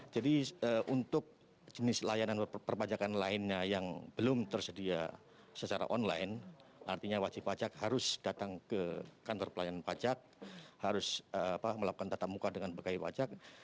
jadi untuk jenis layanan perpajakan lainnya yang belum tersedia secara online artinya wajib pajak harus datang ke kantor pelayanan pajak harus melakukan tatap muka dengan berkait pajak